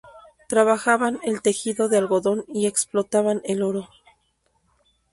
Trabajaban el tejido de algodón y explotaban el oro.